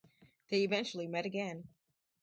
They eventually met again.